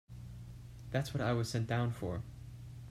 That's what I was sent down for.